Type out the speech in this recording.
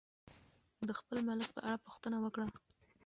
د خپل ملک په اړه پوښتنه وکړه.